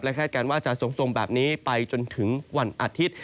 และแคล็ดการว่าจะส่งแบบนี้ไปจนถึงวันอาทิตย์